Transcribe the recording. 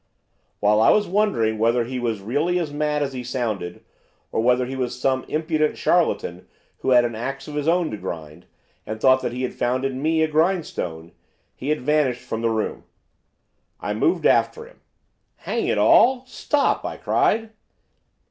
While I was wondering whether he was really as mad as he sounded, or whether he was some impudent charlatan who had an axe of his own to grind, and thought that he had found in me a grindstone, he had vanished from the room. I moved after him. 'Hang it all! stop!' I cried.